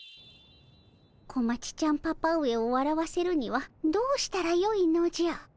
小町ちゃんパパ上をわらわせるにはどうしたらよいのじゃ。